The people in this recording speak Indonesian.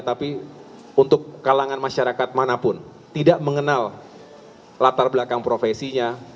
tapi untuk kalangan masyarakat manapun tidak mengenal latar belakang profesinya